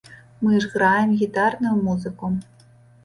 Мы ж граем гітарную музыку!